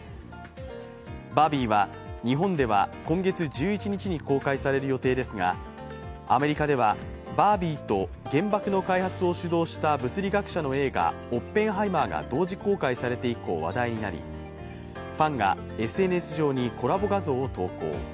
「バービー」は日本では今月１１日に公開される予定ですがアメリカでは「バービー」と原爆の開発を主導した物理学者の映画「オッペンハイマー」が同時公開されて以降話題となり、ファンがＳＮＳ上にコラボ画像を投稿。